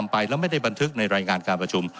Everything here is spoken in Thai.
ไปแล้วไม่ได้บันทึกในรายงานการประชุม